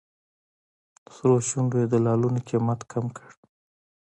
سرو شونډو یې د لعلونو قیمت کم کړ.